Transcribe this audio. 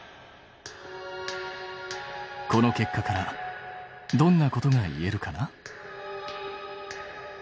この結果からどんなことがいえるかな？